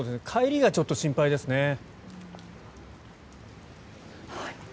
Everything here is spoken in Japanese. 帰りがちょっと心配ですね。